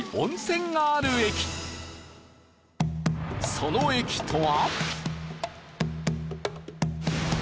その駅とは。